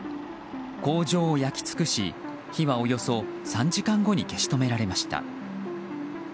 工場を焼き尽くし火はおよそ３時間後に消し止められました。